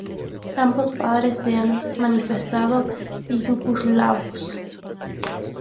Ambos padres se han manifestado yugoslavos.